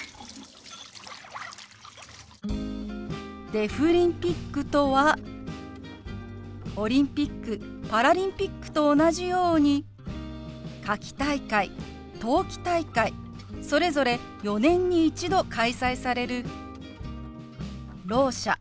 「デフリンピック」とはオリンピックパラリンピックと同じように夏季大会冬季大会それぞれ４年に一度開催されるろう者